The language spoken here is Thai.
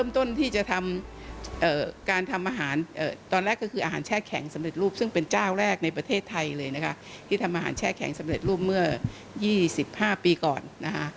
ที่ทำอาหารแช่แข็งสำเร็จรูปเมื่อ๒๕ปีก่อน